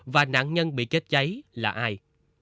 và nạn nhân bị kết cháy là ai